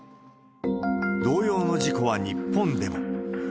同様の事故は日本でも。